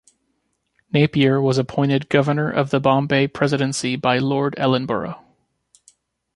Napier was appointed Governor of the Bombay Presidency by Lord Ellenborough.